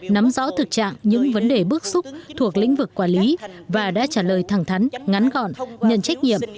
nắm rõ thực trạng những vấn đề bước xúc thuộc lĩnh vực quản lý và đã trả lời thẳng thắn ngắn gọn nhân trách nhiệm